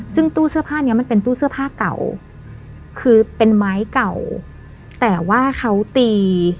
ซึ่งตู้เสื้อผ้าเนี้ยมันเป็นตู้เสื้อผ้าเก่าคือเป็นไม้เก่าแต่ว่าเขาตี